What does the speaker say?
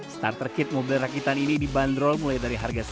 starter kit mobil rakitan ini dibanderol mulai dari harga